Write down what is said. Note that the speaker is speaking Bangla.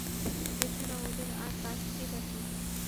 এছাড়া, ওদের আর কাজটাই বা কী?